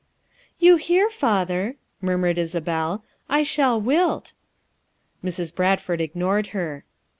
"You hear, Father," murmured Isabel, "I shall wilt." Mrs. Bradford ignored her.